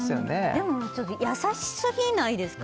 でもちょっと優しすぎないですか？